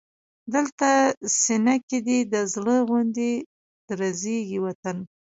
دلته سینه کې دی د زړه غوندې درزېږي وطن